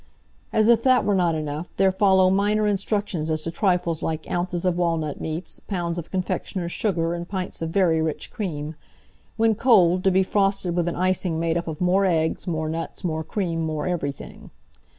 As if that were not enough, there follow minor instructions as to trifles like ounces of walnut meats, pounds of confectioner's sugar, and pints of very rich cream. When cold, to be frosted with an icing made up of more eggs, more nuts, more cream, more everything.